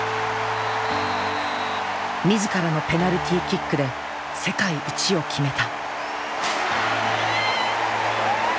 自らのペナルティーキックで世界一を決めた。